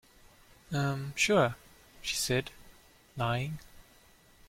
Um... sure, she said, lying.